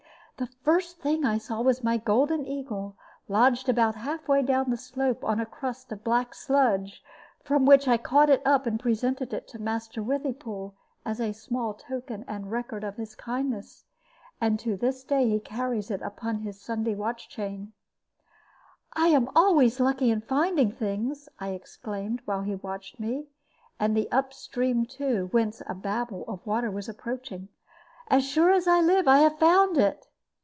The first thing I saw was my golden eagle, lodged about half way down the slope on a crust of black sludge, from which I caught it up and presented it to Master Withypool, as a small token and record of his kindness; and to this day he carries it upon his Sunday watch chain. "I always am lucky in finding things," I exclaimed, while he watched me, and the up stream too, whence a babble of water was approaching. "As sure as I live I have found it!"